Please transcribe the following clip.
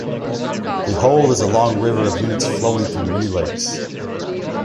The whole is a long river of units flowing through many lakes.